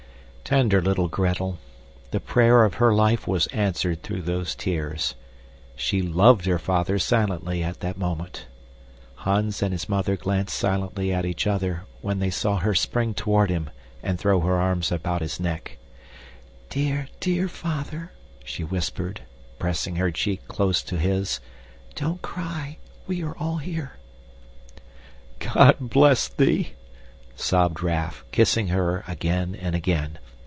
Tender little Gretel! The prayer of her life was answered through those tears. She LOVED her father silently at that moment. Hans and his mother glanced silently at each other when they saw her spring toward him and throw her arms about his neck. "Father, DEAR Father," she whispered, pressing her cheek close to his, "don't cry. We are all here." "God bless thee," sobbed Raff, kissing her again and again.